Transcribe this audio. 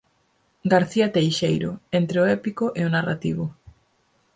García Teixeiro, entre o épico e o narrativo